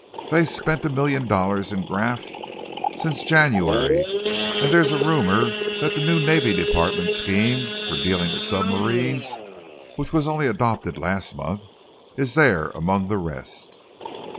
They've spent a million dollars in graft since January, and there's a rumour that the new Navy Department scheme for dealing with submarines, which was only adopted last month, is there among the rest."